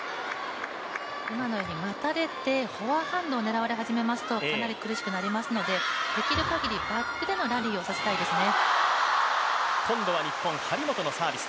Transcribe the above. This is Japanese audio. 今のように待たれてフォアハンドを狙われ始めますとかなり苦しくなりますのでできるかぎりバックでのラリーをさせたいですね。